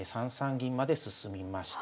銀まで進みました。